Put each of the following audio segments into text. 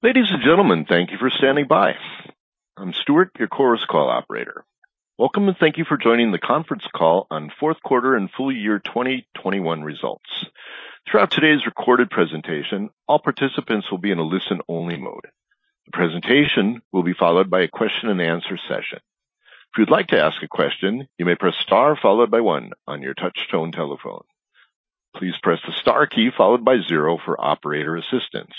Ladies and gentlemen, thank you for standing by. I'm Stuart, your Chorus Call operator. Welcome, and thank you for joining the conference call on fourth quarter and full year 2021 results. Throughout today's recorded presentation, all participants will be in a listen-only mode. The presentation will be followed by a question-and-answer session. If you'd like to ask a question, you may press Star followed by one on your touch tone telephone. Please press the Star key followed by zero for operator assistance.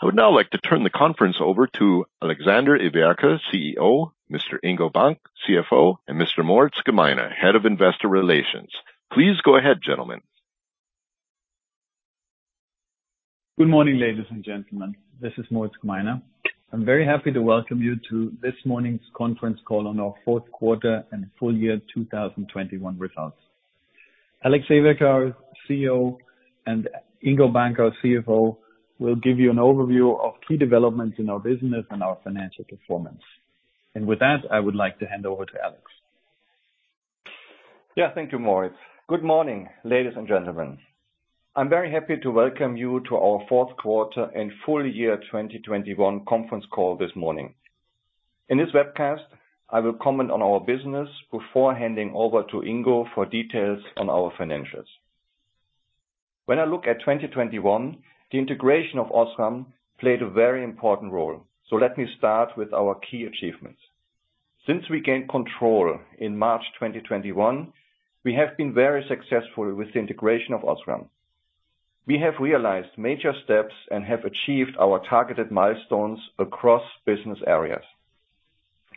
I would now like to turn the conference over to Alexander Everke, CEO, Mr. Ingo Bank, CFO, and Mr. Moritz Gmeiner, Head of Investor Relations. Please go ahead, gentlemen. Good morning, ladies and gentlemen. This is Moritz Gmeiner. I'm very happy to welcome you to this morning's conference call on our fourth quarter and full year 2021 results. Alex Everke, our CEO, and Ingo Bank, our CFO, will give you an overview of key developments in our business and our financial performance. With that, I would like to hand over to Alex. Yeah. Thank you, Moritz. Good morning, ladies and gentlemen. I'm very happy to welcome you to our fourth quarter and full year 2021 conference call this morning. In this webcast, I will comment on our business before handing over to Ingo for details on our financials. When I look at 2021, the integration of OSRAM played a very important role. Let me start with our key achievements. Since we gained control in March 2021, we have been very successful with the integration of OSRAM. We have realized major steps and have achieved our targeted milestones across business areas.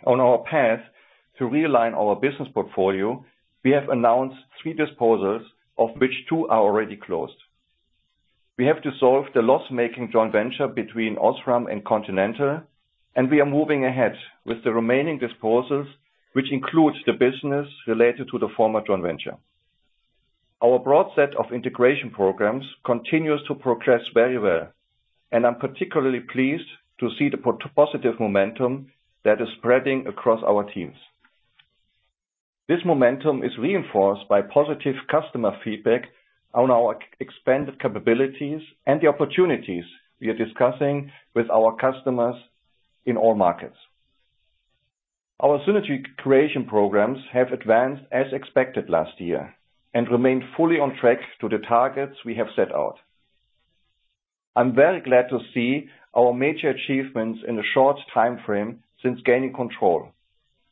On our path to realign our business portfolio, we have announced three disposals, of which two are already closed. We have dissolved the loss-making joint venture between OSRAM and Continental, and we are moving ahead with the remaining disposals, which includes the business related to the former joint venture. Our broad set of integration programs continues to progress very well, and I'm particularly pleased to see the positive momentum that is spreading across our teams. This momentum is reinforced by positive customer feedback on our expanded capabilities and the opportunities we are discussing with our customers in all markets. Our synergy creation programs have advanced as expected last year and remain fully on track to the targets we have set out. I'm very glad to see our major achievements in a short timeframe since gaining control,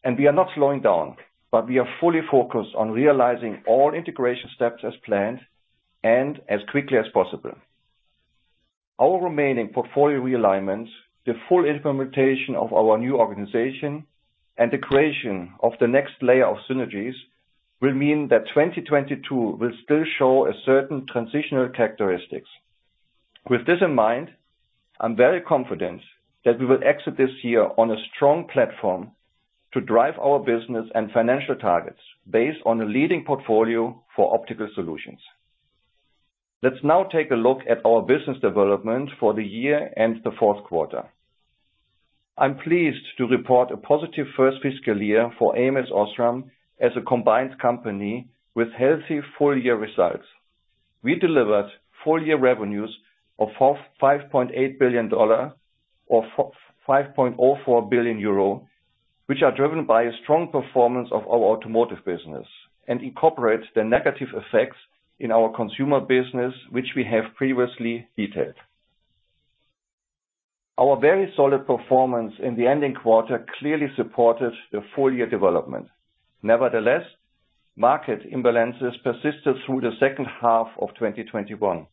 and we are not slowing down, but we are fully focused on realizing all integration steps as planned and as quickly as possible. Our remaining portfolio realignments, the full implementation of our new organization, and the creation of the next layer of synergies will mean that 2022 will still show a certain transitional characteristics. With this in mind, I'm very confident that we will exit this year on a strong platform to drive our business and financial targets based on a leading portfolio for optical solutions. Let's now take a look at our business development for the year and the fourth quarter. I'm pleased to report a positive first fiscal year for ams OSRAM as a combined company with healthy full-year results. We delivered full-year revenues of $5.8 billion or 5.04 billion euro, which are driven by a strong performance of our automotive business and incorporates the negative effects in our consumer business, which we have previously detailed. Our very solid performance in the ending quarter clearly supported the full-year development. Nevertheless, market imbalances persisted through the second half of 2021,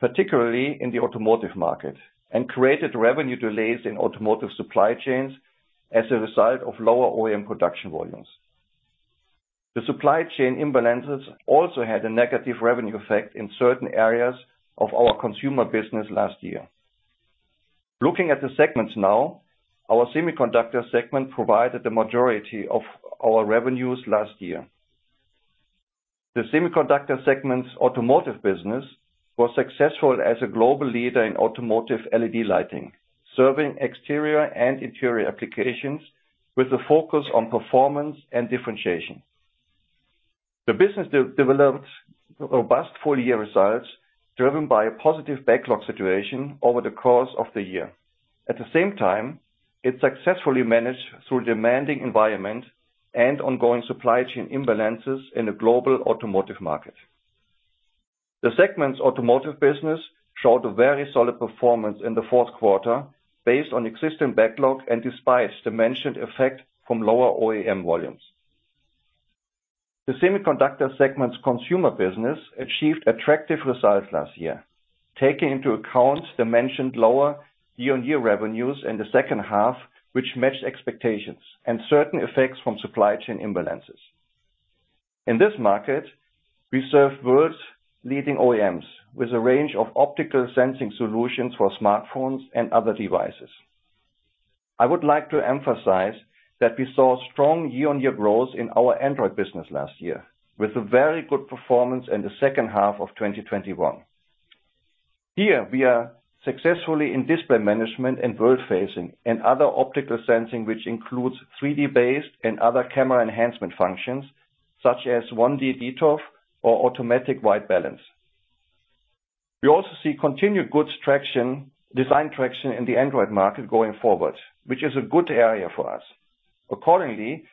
particularly in the automotive market, and created revenue delays in automotive supply chains as a result of lower OEM production volumes. The supply chain imbalances also had a negative revenue effect in certain areas of our consumer business last year. Looking at the segments now, our semiconductor segment provided the majority of our revenues last year. The semiconductor segment's automotive business was successful as a global leader in automotive LED lighting, serving exterior and interior applications with a focus on performance and differentiation. The business delivered robust full-year results driven by a positive backlog situation over the course of the year. At the same time, it successfully managed through a demanding environment and ongoing supply chain imbalances in a global automotive market. The segment's automotive business showed a very solid performance in the fourth quarter based on existing backlog and despite the mentioned effect from lower OEM volumes. The semiconductor segment's consumer business achieved attractive results last year, taking into account the mentioned lower year-on-year revenues in the second half, which matched expectations and certain effects from supply chain imbalances. In this market, we serve the world's leading OEMs with a range of optical sensing solutions for smartphones and other devices. I would like to emphasize that we saw strong year-on-year growth in our Android business last year with a very good performance in the second half of 2021. Here, we are successfully in display management and world-facing and other optical sensing which includes 3D-based and other camera enhancement functions, such as 1D ToF or automatic white balance. We also see continued good traction, design traction in the Android market going forward, which is a good area for us. Accordingly,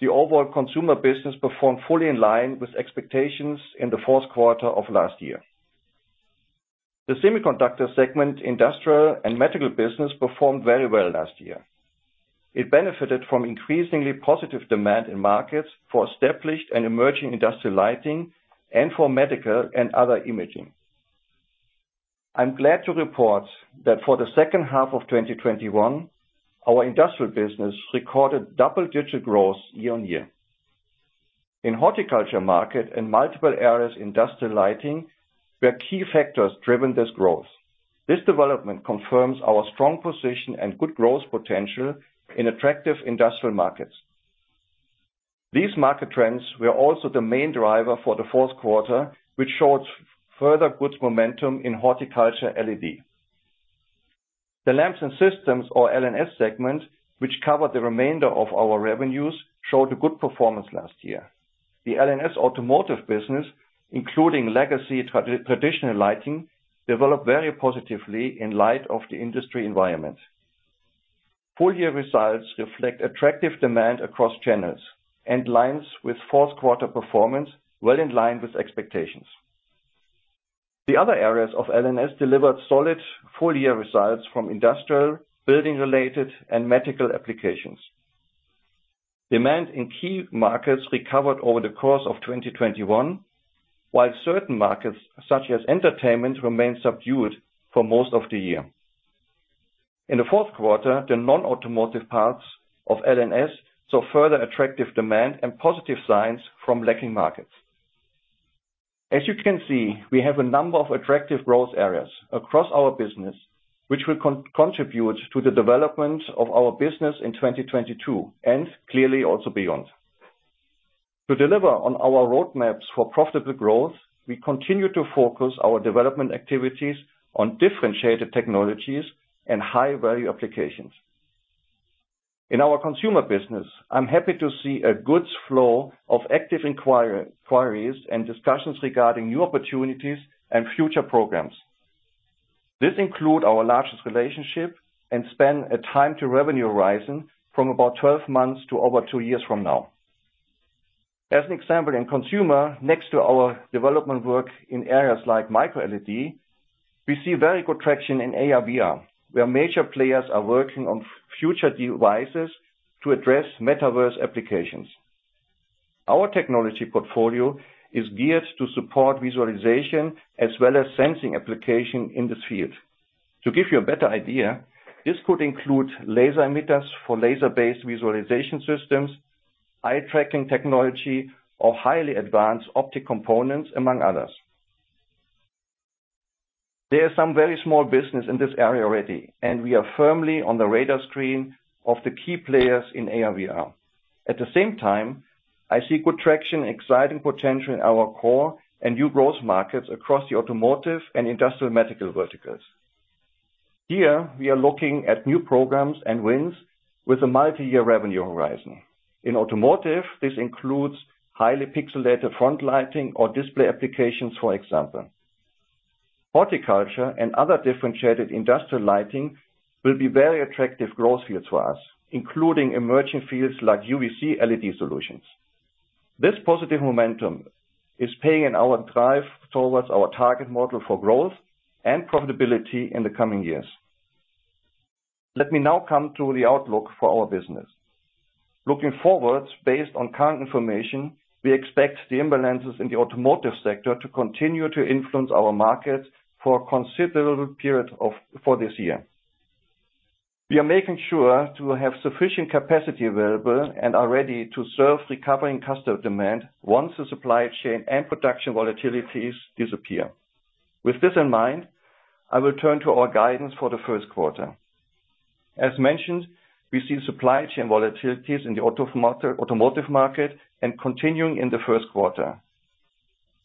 the overall consumer business performed fully in line with expectations in the fourth quarter of last year. The semiconductor segment, industrial and medical business performed very well last year. It benefited from increasingly positive demand in markets for established and emerging industrial lighting and for medical and other imaging. I'm glad to report that for the second half of 2021, our industrial business recorded double-digit growth year-on-year. In horticulture market and multiple areas, industrial lighting were key factors driving this growth. This development confirms our strong position and good growth potential in attractive industrial markets. These market trends were also the main driver for the fourth quarter, which showed further good momentum in Horticulture LED. The Lamps and Systems or LNS segment, which covered the remainder of our revenues, showed a good performance last year. The LNS automotive business, including legacy traditional lighting, developed very positively in light of the industry environment. Full year results reflect attractive demand across channels and lines with fourth quarter performance well in line with expectations. The other areas of LNS delivered solid full-year results from industrial, building-related and medical applications. Demand in key markets recovered over the course of 2021, while certain markets, such as entertainment, remained subdued for most of the year. In the fourth quarter, the non-automotive parts of LNS saw further attractive demand and positive signs from lagging markets. As you can see, we have a number of attractive growth areas across our business, which will contribute to the development of our business in 2022 and clearly also beyond. To deliver on our roadmaps for profitable growth, we continue to focus our development activities on differentiated technologies and high value applications. In our consumer business, I'm happy to see a good flow of active inquiries and discussions regarding new opportunities and future programs. This includes our largest relationship and spans a time to revenue horizon from about 12 months to over 2 years from now. As an example, in consumer, next to our development work in areas like microLED, we see very good traction in AR/VR, where major players are working on future devices to address metaverse applications. Our technology portfolio is geared to support visualization as well as sensing applications in this field. To give you a better idea, this could include laser emitters for laser-based visualization systems, eye tracking technology or highly advanced optic components, among others. There are some very small business in this area already, and we are firmly on the radar screen of the key players in AR/VR. At the same time, I see good traction and exciting potential in our core and new growth markets across the automotive and industrial medical verticals. Here we are looking at new programs and wins with a multiyear revenue horizon. In automotive, this includes highly pixelated front lighting or display applications, for example. Horticulture and other differentiated industrial lighting will be very attractive growth fields for us, including emerging fields like UV-C LED solutions. This positive momentum is paying off in our drive towards our target model for growth and profitability in the coming years. Let me now come to the outlook for our business. Looking forward, based on current information, we expect the imbalances in the automotive sector to continue to influence our markets for a considerable period for this year. We are making sure to have sufficient capacity available and are ready to serve recovering customer demand once the supply chain and production volatilities disappear. With this in mind, I will turn to our guidance for the first quarter. As mentioned, we see supply chain volatilities in the automotive market and continuing in the first quarter.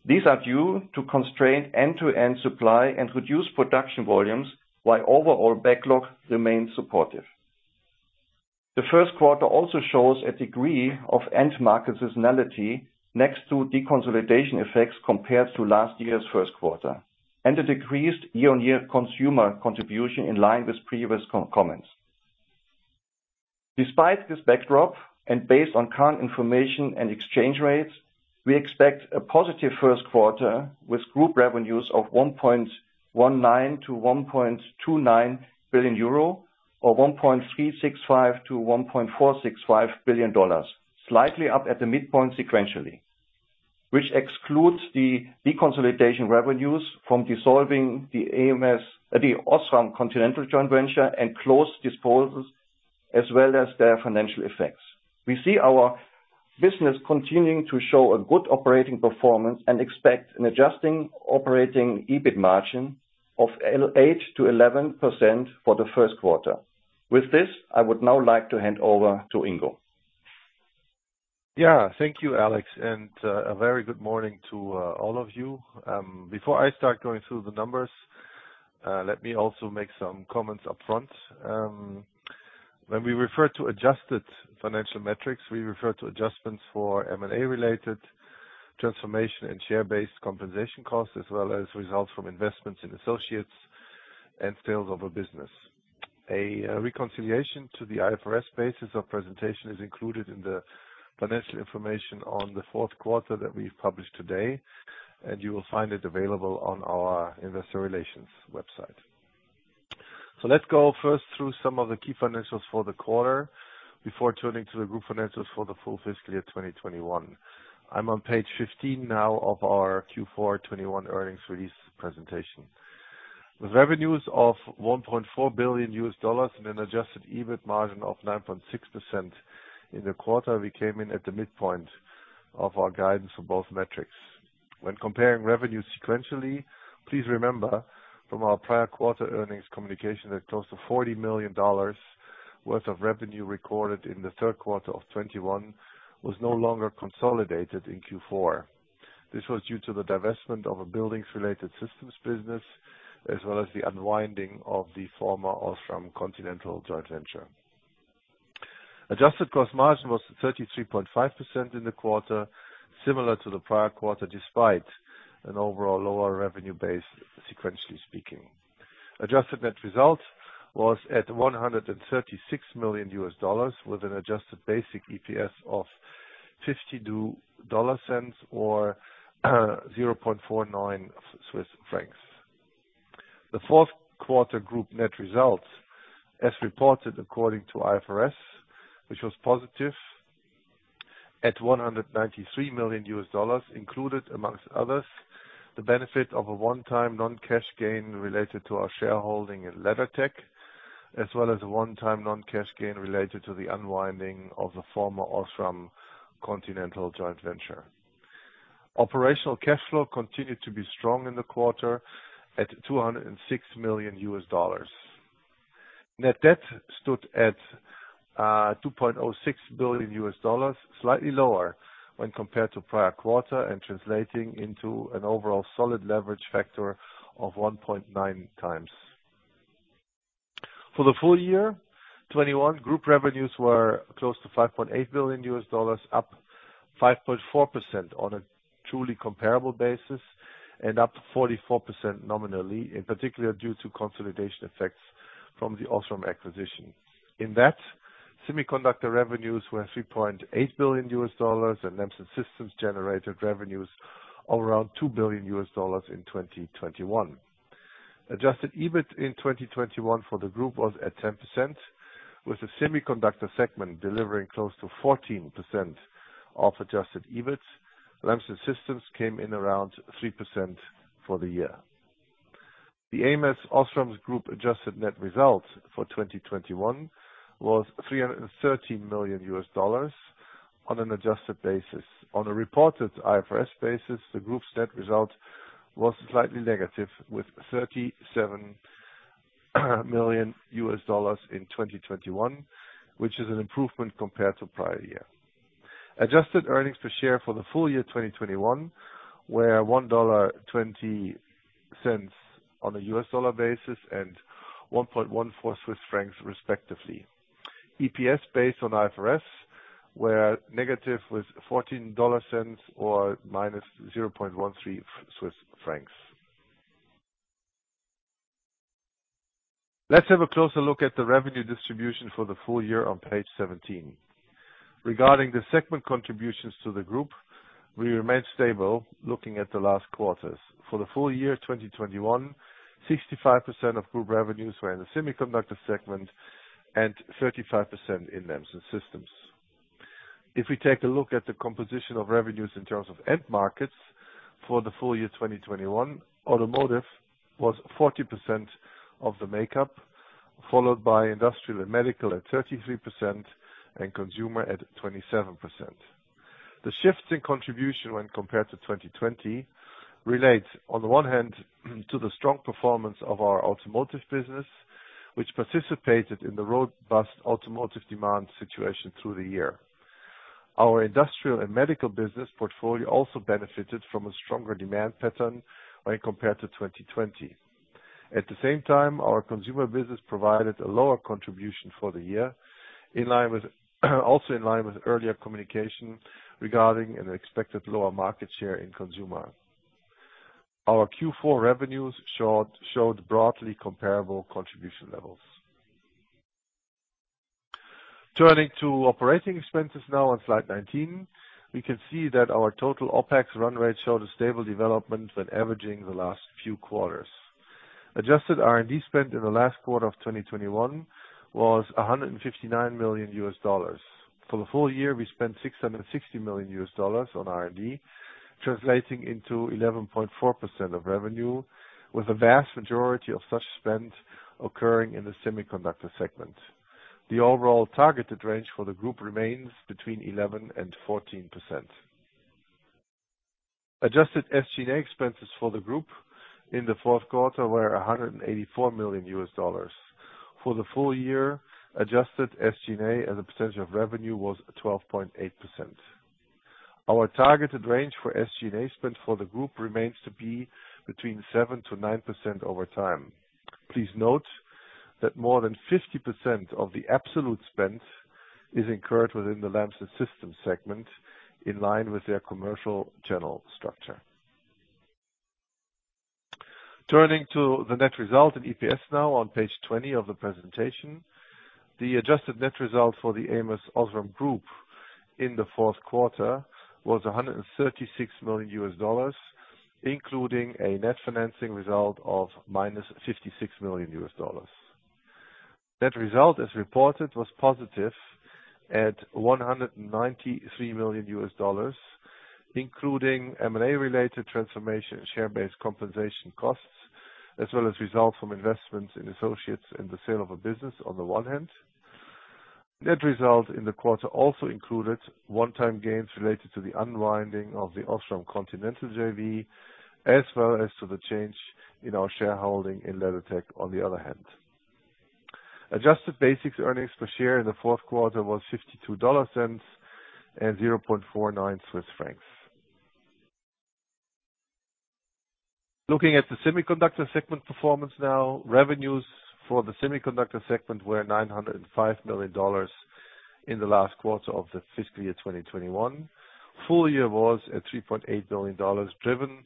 These are due to constrained end-to-end supply and reduced production volumes, while overall backlog remains supportive. The first quarter also shows a degree of end market seasonality next to deconsolidation effects compared to last year's first quarter, and a decreased year-on-year consumer contribution in line with previous comments. Despite this backdrop and based on current information and exchange rates, we expect a positive first quarter with group revenues of 1.19 billion-1.29 billion euro or $1.365 billion-$1.465 billion, slightly up at the midpoint sequentially, which excludes the deconsolidation revenues from dissolving the ams, the OSRAM Continental joint venture and close disposals as well as their financial effects. We see our business continuing to show a good operating performance and expect an adjusted operating EBIT margin of 8%-11% for the first quarter. With this, I would now like to hand over to Ingo. Yeah. Thank you, Alex, and a very good morning to all of you. Before I start going through the numbers, let me also make some comments upfront. When we refer to adjusted financial metrics, we refer to adjustments for M&A related transformation and share-based compensation costs, as well as results from investments in associates and sales of a business. A reconciliation to the IFRS basis of presentation is included in the financial information on the fourth quarter that we've published today, and you will find it available on our investor relations website. Let's go first through some of the key financials for the quarter before turning to the group financials for the full fiscal year 2021. I'm on page 15 now of our Q4 2021 earnings release presentation. With revenues of $1.4 billion and an adjusted EBIT margin of 9.6% in the quarter, we came in at the midpoint of our guidance for both metrics. When comparing revenues sequentially, please remember from our prior quarter earnings communication that close to $40 million worth of revenue recorded in the third quarter of 2021 was no longer consolidated in Q4. This was due to the divestment of a buildings-related systems business, as well as the unwinding of the former OSRAM Continental joint venture. Adjusted gross margin was 33.5% in the quarter, similar to the prior quarter, despite an overall lower revenue base, sequentially speaking. Adjusted net result was at $136 million, with an adjusted basic EPS of $0.52 or 0.49 Swiss francs. The fourth quarter group net results, as reported according to IFRS, which was positive at $193 million included amongst others, the benefit of a one-time non-cash gain related to our shareholding in LeddarTech, as well as a one-time non-cash gain related to the unwinding of the former OSRAM Continental joint venture. Operational cash flow continued to be strong in the quarter at $206 million. Net debt stood at $2.06 billion, slightly lower when compared to prior quarter and translating into an overall solid leverage factor of 1.9x. For the full year 2021, group revenues were close to $5.8 billion, up 5.4% on a truly comparable basis and up 44% nominally, in particular due to consolidation effects from the OSRAM acquisition. In that, semiconductor revenues were $3.8 billion, and Lamps and Systems generated revenues of around $2 billion in 2021. Adjusted EBIT in 2021 for the group was at 10%, with the Semiconductor segment delivering close to 14% of adjusted EBIT. Lamps and Systems came in around 3% for the year. The ams OSRAM Group adjusted net results for 2021 was $313 million on an adjusted basis. On a reported IFRS basis, the group's net result was slightly negative, with $37 million in 2021, which is an improvement compared to prior year. Adjusted earnings per share for the full year, 2021 were $1.20 on a US dollar basis and 1.14 Swiss francs respectively. EPS based on IFRS were negative with $0.14 or minus 0.13 Swiss francs. Let's have a closer look at the revenue distribution for the full year on page 17. Regarding the segment contributions to the group, we remain stable looking at the last quarters. For the full year 2021, 65% of group revenues were in the Semiconductor segment and 35% in Lamps and Systems. If we take a look at the composition of revenues in terms of end markets for the full year 2021, automotive was 40% of the makeup, followed by industrial and medical at 33% and consumer at 27%. The shift in contribution when compared to 2020 relates, on the one hand, to the strong performance of our automotive business, which participated in the robust automotive demand situation through the year. Our industrial and medical business portfolio also benefited from a stronger demand pattern when compared to 2020. At the same time, our consumer business provided a lower contribution for the year in line with earlier communication regarding an expected lower market share in consumer. Our Q4 revenues showed broadly comparable contribution levels. Turning to operating expenses now on slide 19, we can see that our total OpEx run rate showed a stable development when averaging the last few quarters. Adjusted R&D spend in the last quarter of 2021 was $159 million. For the full year, we spent $660 million on R&D, translating into 11.4% of revenue, with the vast majority of such spend occurring in the Semiconductor segment. The overall targeted range for the group remains between 11% and 14%. Adjusted SG&A expenses for the group in the fourth quarter were $184 million. For the full year, adjusted SG&A as a percentage of revenue was 12.8%. Our targeted range for SG&A spend for the group remains to be between 7%-9% over time. Please note that more than 50% of the absolute spend is incurred within the Lamps and Systems segment in line with their commercial channel structure. Turning to the net result in EPS now on page 20 of the presentation. The adjusted net result for the ams OSRAM Group in the fourth quarter was $136 million, including a net financing result of -$56 million. Net result, as reported, was positive at $193 million, including M&A related transformation share-based compensation costs, as well as results from investments in associates in the sale of a business on the one hand. Net result in the quarter also included one-time gains related to the unwinding of the OSRAM Continental JV, as well as to the change in our shareholding in LeddarTech on the other hand. Adjusted basic earnings per share in the fourth quarter was $0.52 and 0.49. Looking at the semiconductor segment performance now. Revenues for the semiconductor segment were $905 million in the last quarter of the fiscal year 2021. Full year was at $3.8 billion, driven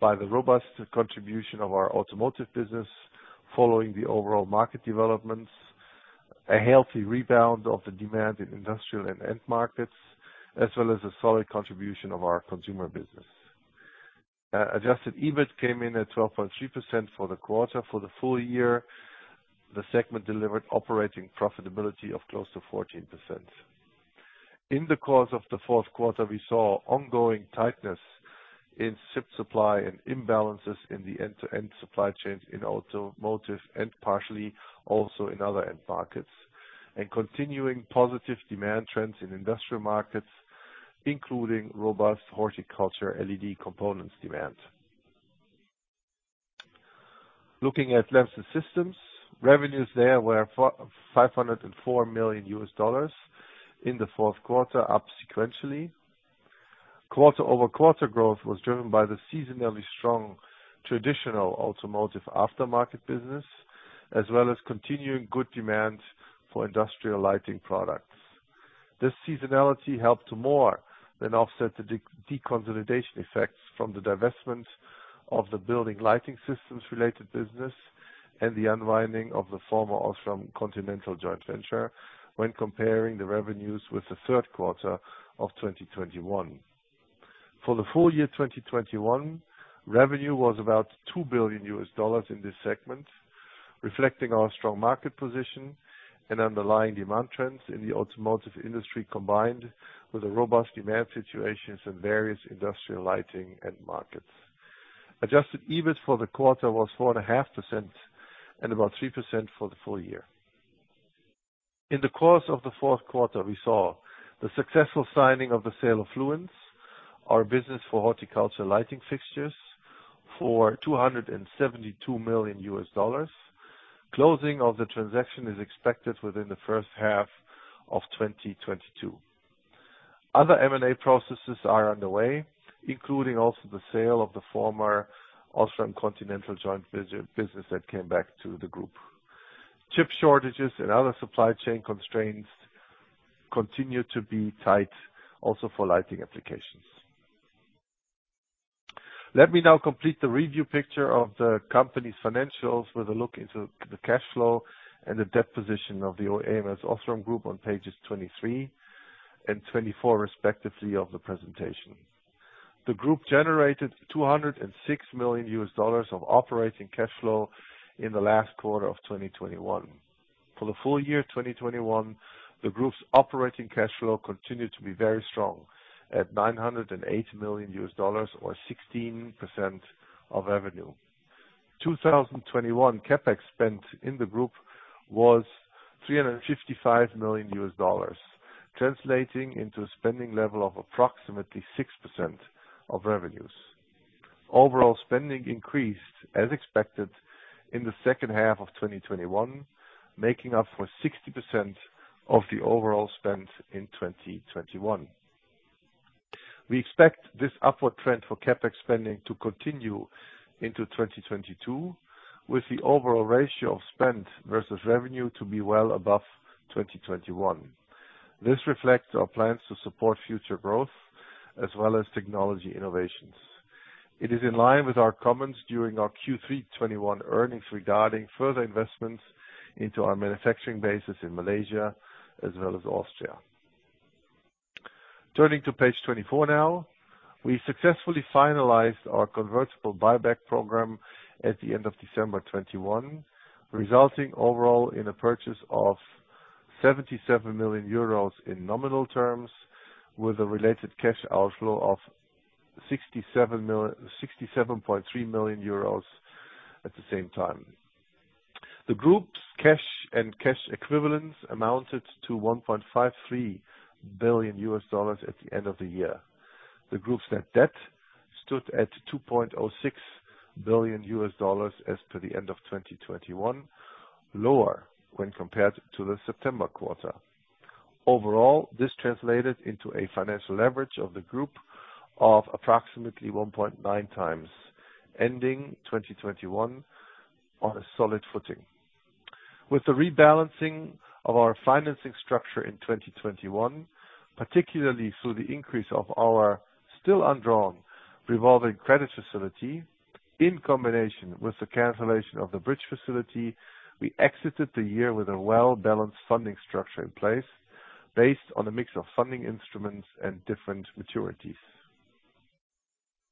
by the robust contribution of our automotive business following the overall market developments, a healthy rebound of the demand in industrial and end markets, as well as the solid contribution of our consumer business. Adjusted EBIT came in at 12.3% for the quarter. For the full year, the segment delivered operating profitability of close to 14%. In the course of the fourth quarter, we saw ongoing tightness in chip supply and imbalances in the end-to-end supply chain in automotive and partially also in other end markets. Continuing positive demand trends in industrial markets, including robust Horticulture LED components demand. Looking at Lamps and Systems. Revenues there were $504 million in the fourth quarter, up sequentially. Quarter-over-quarter growth was driven by the seasonally strong traditional automotive aftermarket business, as well as continuing good demand for industrial lighting products. This seasonality helped to more than offset the deconsolidation effects from the divestment of the building lighting systems-related business and the unwinding of the former OSRAM Continental joint venture when comparing the revenues with the third quarter of 2021. For the full year 2021, revenue was about $2 billion in this segment, reflecting our strong market position and underlying demand trends in the automotive industry, combined with a robust demand situations in various industrial lighting end markets. Adjusted EBIT for the quarter was 4.5% and about 3% for the full year. In the course of the fourth quarter, we saw the successful signing of the sale of Fluence, our business for horticulture lighting fixtures for $272 million. Closing of the transaction is expected within the first half of 2022. Other M&A processes are underway, including also the sale of the former OSRAM Continental joint business that came back to the group. Chip shortages and other supply chain constraints continue to be tight also for lighting applications. Let me now complete the review picture of the company's financials with a look into the cash flow and the debt position of the ams OSRAM Group on pages 23 and 24, respectively, of the presentation. The group generated $206 million of operating cash flow in the last quarter of 2021. For the full year 2021, the group's operating cash flow continued to be very strong at $908 million or 16% of revenue. 2021 CapEx spend in the group was $355 million, translating into a spending level of approximately 6% of revenues. Overall spending increased as expected in the second half of 2021, making up for 60% of the overall spend in 2021. We expect this upward trend for CapEx spending to continue into 2022, with the overall ratio of spend versus revenue to be well above 2021. This reflects our plans to support future growth as well as technology innovations. It is in line with our comments during our Q3 2021 earnings regarding further investments into our manufacturing bases in Malaysia as well as Austria. Turning to page 24 now. We successfully finalized our convertible buyback program at the end of December 2021, resulting overall in a purchase of 77 million euros in nominal terms, with a related cash outflow of 67.3 million euros at the same time. The group's cash and cash equivalents amounted to $1.53 billion at the end of the year. The group's net debt stood at $2.06 billion as of the end of 2021, lower when compared to the September quarter. Overall, this translated into a financial leverage of the group of approximately 1.9 times, ending 2021 on a solid footing. With the rebalancing of our financing structure in 2021, particularly through the increase of our still undrawn revolving credit facility in combination with the cancellation of the bridge facility, we exited the year with a well-balanced funding structure in place based on a mix of funding instruments and different maturities.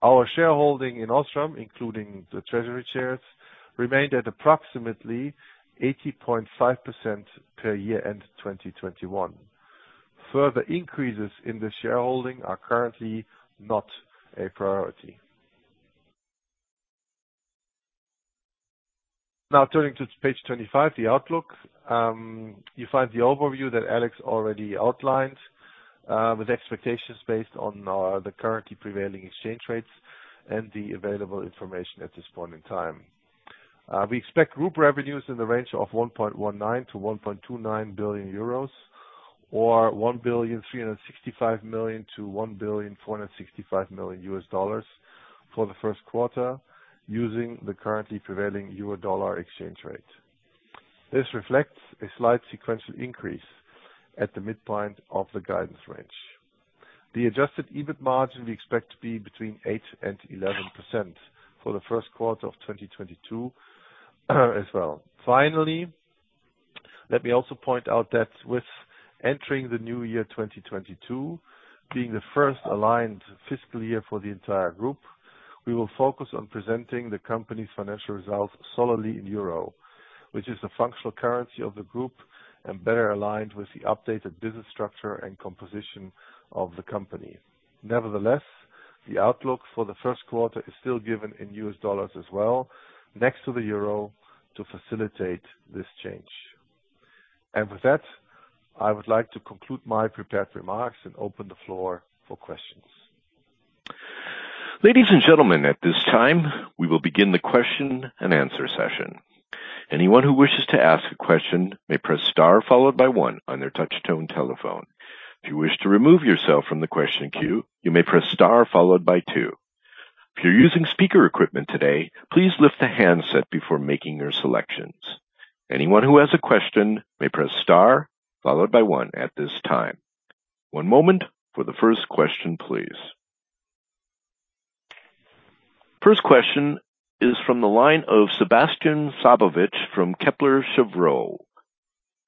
Our shareholding in OSRAM, including the treasury shares, remained at approximately 80.5% as of year-end 2021. Further increases in the shareholding are currently not a priority. Now turning to page 25, the outlook. You find the overview that Alex already outlined, with expectations based on the currently prevailing exchange rates and the available information at this point in time. We expect group revenues in the range of 1.19 billion-1.29 billion euros, or $1.365 billion-$1.465 billion for the first quarter using the currently prevailing Euro-dollar exchange rate. This reflects a slight sequential increase at the midpoint of the guidance range. The adjusted EBIT margin we expect to be between 8%-11% for the first quarter of 2022 as well. Finally, let me also point out that with entering the new year, 2022 being the first aligned fiscal year for the entire group, we will focus on presenting the company's financial results solely in euro, which is the functional currency of the group and better aligned with the updated business structure and composition of the company. Nevertheless, the outlook for the first quarter is still given in U.S. dollars as well, next to the euro to facilitate this change. With that, I would like to conclude my prepared remarks and open the floor for questions. Ladies and gentlemen, at this time, we will begin the question and answer session. Anyone who wishes to ask a question may press star followed by one on their touch-tone telephone. If you wish to remove yourself from the question queue, you may press star followed by two. If you're using speaker equipment today, please lift the handset before making your selections. Anyone who has a question may press star followed by one at this time. One moment for the first question, please. First question is from the line of Sebastien Sztabowicz from Kepler Cheuvreux.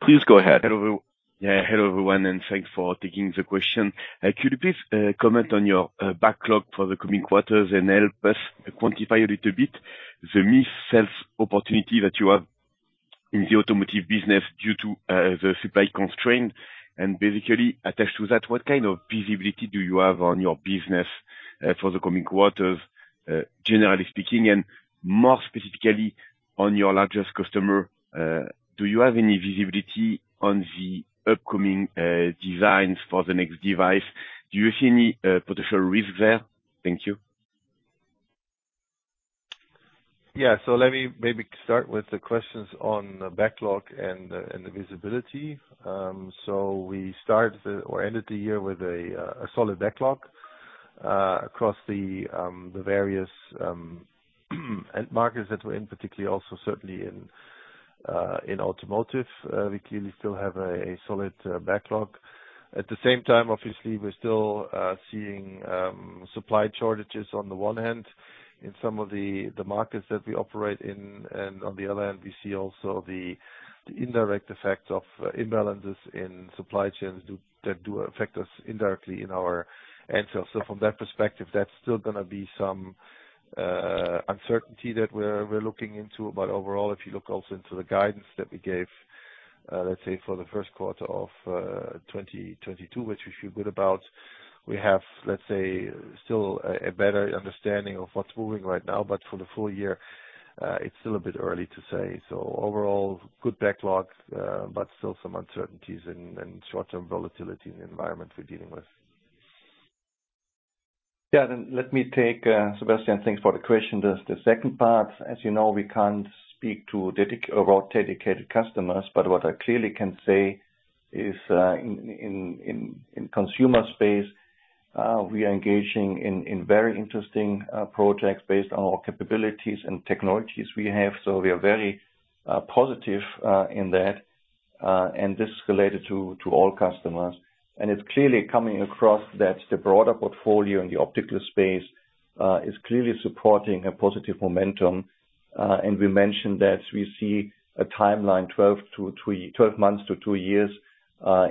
Please go ahead. Hello. Yeah, hello, everyone, and thanks for taking the question. Could you please comment on your backlog for the coming quarters and help us quantify a little bit the missed sales opportunity that you have in the automotive business due to the supply constraint? Basically attached to that, what kind of visibility do you have on your business for the coming quarters, generally speaking? More specifically on your largest customer, do you have any visibility on the upcoming designs for the next device? Do you see any potential risk there? Thank you. Yeah. Let me maybe start with the questions on the backlog and the visibility. We start or ended the year with a solid backlog across the various end markets that we're in, particularly also certainly in automotive. We clearly still have a solid backlog. At the same time, obviously, we're still seeing supply shortages on the one hand in some of the markets that we operate in. On the other hand, we see also the indirect effects of imbalances in supply chains that do affect us indirectly in our end sales. From that perspective, that's still gonna be some uncertainty that we're looking into. Overall, if you look also into the guidance that we gave, let's say, for the first quarter of 2022, which we feel good about, we have, let's say, still a better understanding of what's moving right now. For the full year, it's still a bit early to say. Overall, good backlog, but still some uncertainties and short-term volatility in the environment we're dealing with. Let me take Sebastien, thanks for the question. The second part, as you know, we can't speak to dedicated customers. What I clearly can say is, in consumer space, we are engaging in very interesting projects based on our capabilities and technologies we have. We are very positive in that. This is related to all customers. It's clearly coming across that the broader portfolio in the optical space is clearly supporting a positive momentum. We mentioned that we see a timeline 12 months to two years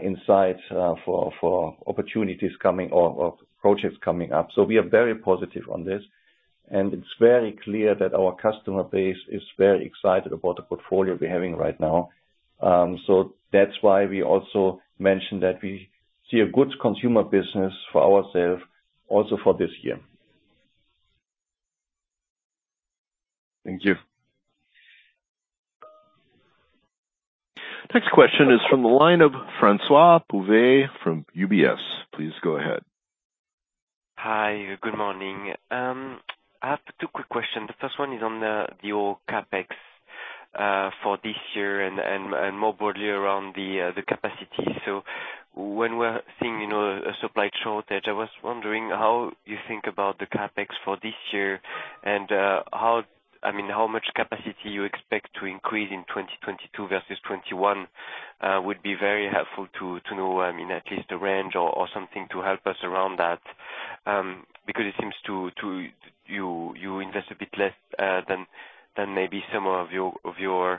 in sight for opportunities coming or projects coming up. We are very positive on this. It's very clear that our customer base is very excited about the portfolio we're having right now. That's why we also mentioned that we see a good consumer business for ourself also for this year. Thank you. Next question is from the line of Francois-Xavier Bouvignies from UBS. Please go ahead. Hi, good morning. I have two quick questions. The first one is on the old CapEx for this year and more broadly around the capacity. So when we're seeing, you know, a supply shortage, I was wondering how you think about the CapEx for this year and how much capacity you expect to increase in 2022 versus 2021 would be very helpful to know, I mean, at least a range or something to help us around that because it seems to you invest a bit less than maybe some of your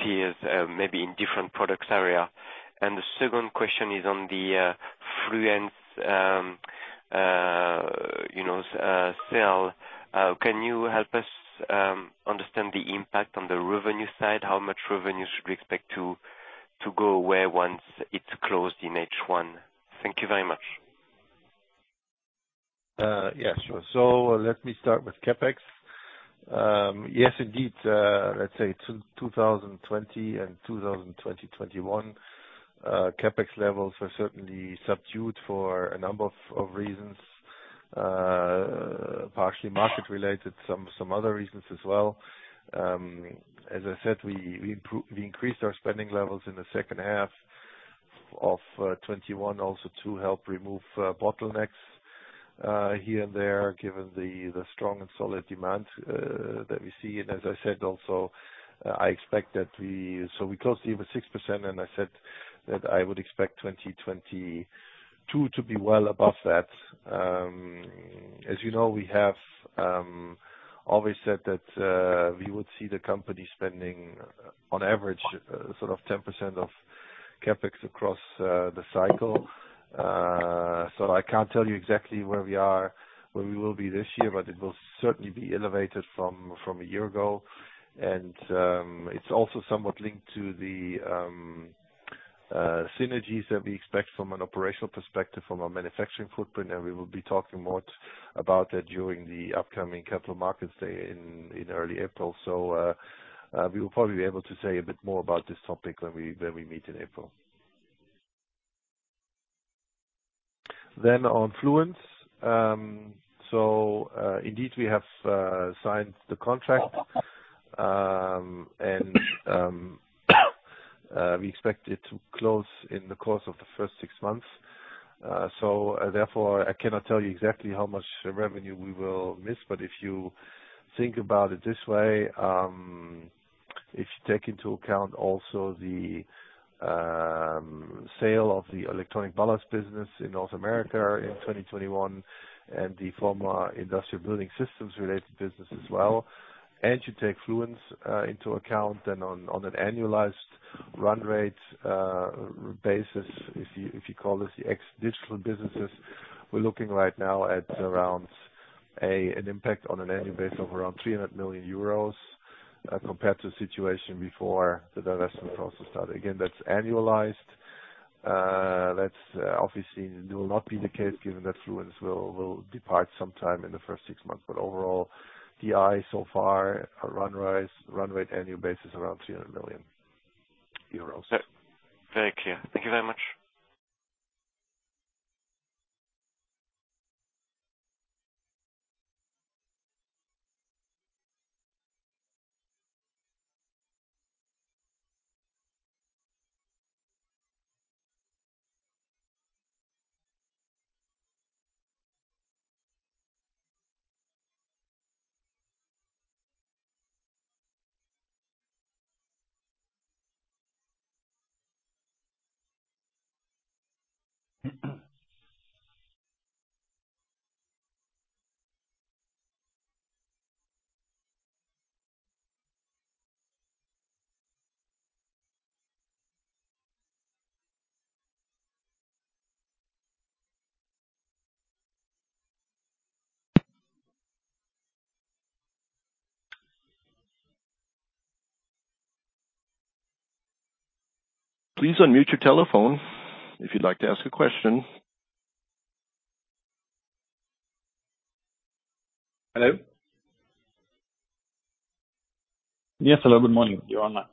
peers, maybe in different products area. The second question is on the Fluence, you know, sale. Can you help us understand the impact on the revenue side? How much revenue should we expect to go away once it's closed in H1? Thank you very much. Yeah, sure. Let me start with CapEx. Yes, indeed, let's say 2020 and 2021, CapEx levels were certainly subdued for a number of reasons. Partially market related, some other reasons as well. As I said, we increased our spending levels in the second half of 2021 also to help remove bottlenecks here and there, given the strong and solid demand that we see. As I said also, I expect that we closed the year with 6%, and I said that I would expect 2022 to be well above that. As you know, we have always said that we would see the company spending on average sort of 10% of CapEx across the cycle. I can't tell you exactly where we are, where we will be this year, but it will certainly be elevated from a year ago. It's also somewhat linked to the synergies that we expect from an operational perspective from a manufacturing footprint, and we will be talking more about that during the upcoming Capital Markets Day in early April. We will probably be able to say a bit more about this topic when we meet in April. On Fluence, indeed we have signed the contract, and we expect it to close in the course of the first six months. Therefore, I cannot tell you exactly how much revenue we will miss, but if you think about it this way, if you take into account also the sale of the electronic ballasts business in North America in 2021 and the former industrial building systems related business as well. You take Fluence into account then on an annualized run rate basis, if you call this the ex digital businesses, we're looking right now at around an impact on an annual basis of around 300 million euros compared to the situation before the divestment process started. Again, that's annualized. That's obviously will not be the case given that Fluence will depart sometime in the first six months. Overall DI so far run rate annual basis around 300 million euros. Very clear. Thank you very much. Please unmute your telephone if you'd like to ask a question. Hello? Yes, hello. Good morning. You're online.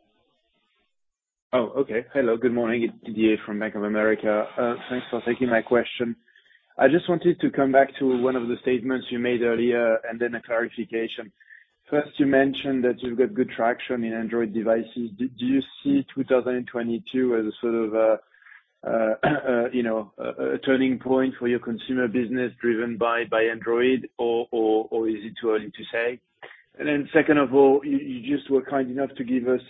Hello, good morning. It's Didier from Bank of America. Thanks for taking my question. I just wanted to come back to one of the statements you made earlier and then a clarification. First, you mentioned that you've got good traction in Android devices. Do you see 2022 as a sort of, you know, a turning point for your consumer business driven by Android or is it too early to say? Second of all, you just were kind enough to give us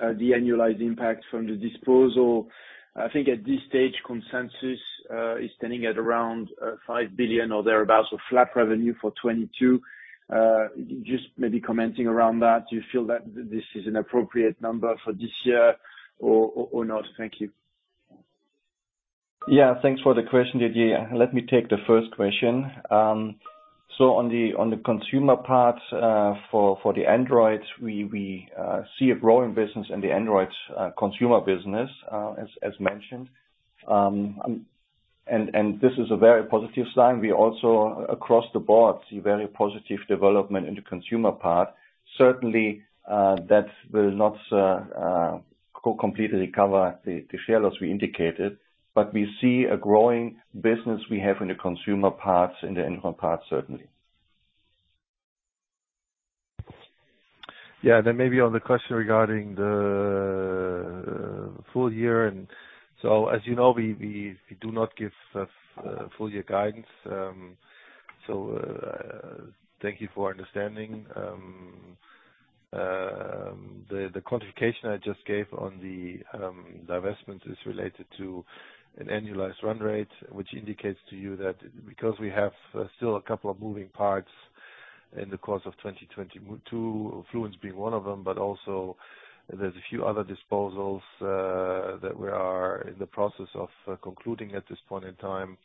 the annualized impact from the disposal. I think at this stage, consensus is standing at around 5 billion or thereabouts of flat revenue for 2022. Just maybe commenting around that. Do you feel that this is an appropriate number for this year or not? Thank you. Yeah, thanks for the question, Didier. Let me take the first question. On the consumer part, for the Android, we see a growing business in the Android consumer business, as mentioned. This is a very positive sign. We also, across the board, see very positive development in the consumer part. Certainly, that will not completely cover the share loss we indicated. We see a growing business we have in the consumer parts, in the in-home parts, certainly. Maybe on the question regarding the full year. As you know, we do not give full year guidance. Thank you for understanding. The quantification I just gave on the divestment is related to an annualized run rate, which indicates to you that because we have still a couple of moving parts in the course of 2022, Fluence being one of them, but also there's a few other disposals that we are in the process of concluding at this point in time,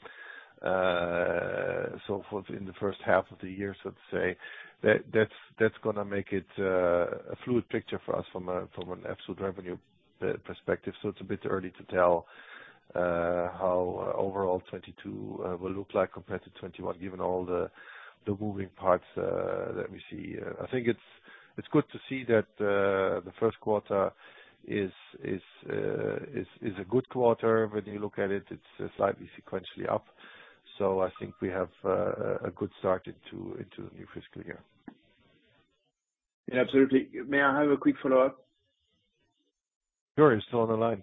so for the first half of the year, so to say. That's gonna make it a fluid picture for us from an absolute revenue perspective. It's a bit early to tell how overall 2022 will look like compared to 2021, given all the moving parts that we see. I think it's good to see that the first quarter is a good quarter. When you look at it's slightly sequentially up. I think we have a good start into the new fiscal year. Yeah, absolutely. May I have a quick follow-up? Sure, you're still on the line.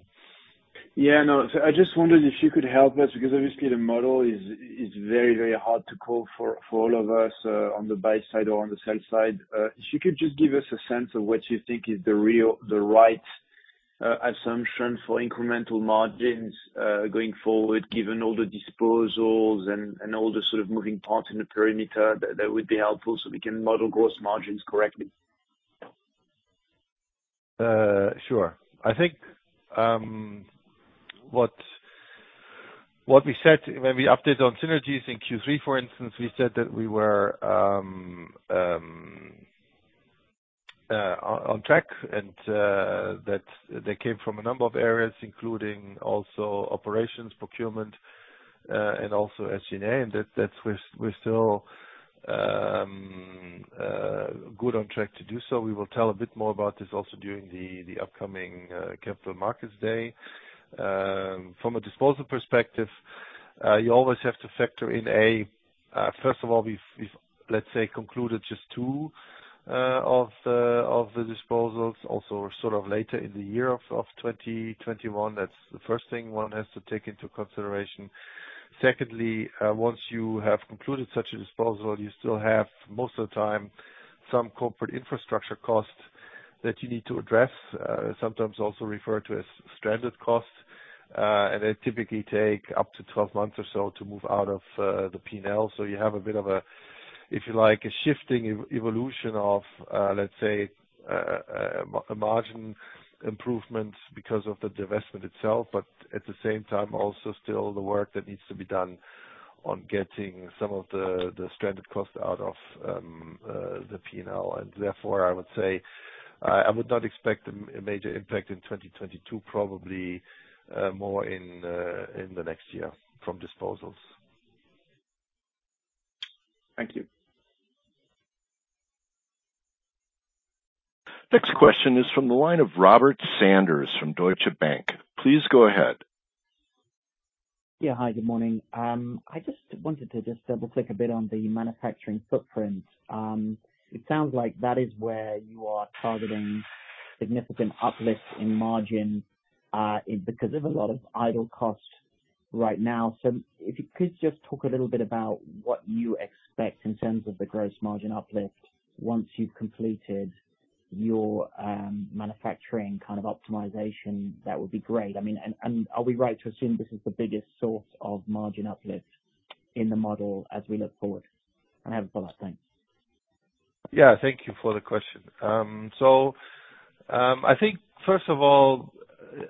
Yeah, no. I just wondered if you could help us, because obviously the model is very hard to call for all of us on the buy side or on the sell side. If you could just give us a sense of what you think is the right assumption for incremental margins going forward, given all the disposals and all the sort of moving parts in the perimeter, that would be helpful, so we can model gross margins correctly. Sure. I think what we said when we updated on synergies in Q3, for instance, we said that we were on track and that they came from a number of areas, including also operations, procurement, and also SG&A. That's where we're still good on track to do so. We will tell a bit more about this also during the upcoming Capital Markets Day. From a disposal perspective, you always have to factor in. First of all, we've, let's say, concluded just two of the disposals, also sort of later in the year of 2021. That's the first thing one has to take into consideration. Secondly, once you have concluded such a disposal, you still have, most of the time, some corporate infrastructure costs that you need to address, sometimes also referred to as stranded costs. They typically take up to 12 months or so to move out of the P&L. You have a bit of a, if you like, a shifting evolution of, let's say, a margin improvement because of the divestment itself. At the same time, also still the work that needs to be done on getting some of the stranded costs out of the P&L. Therefore, I would say, I would not expect a major impact in 2022, probably, more in the next year from disposals. Thank you. Next question is from the line of Robert Sanders from Deutsche Bank. Please go ahead. Yeah. Hi, good morning. I just wanted to just double-click a bit on the manufacturing footprint. It sounds like that is where you are targeting significant uplifts in margin, because of a lot of idle costs right now. If you could just talk a little bit about what you expect in terms of the gross margin uplift once you've completed your manufacturing kind of optimization, that would be great. I mean, are we right to assume this is the biggest source of margin uplift in the model as we look forward? I have a follow-up. Thanks. Yeah. Thank you for the question. I think first of all,